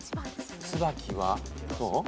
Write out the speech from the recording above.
ツバキはどう？